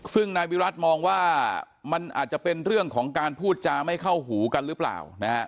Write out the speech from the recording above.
ซึ่งนายวิรัติมองว่ามันอาจจะเป็นเรื่องของการพูดจาไม่เข้าหูกันหรือเปล่า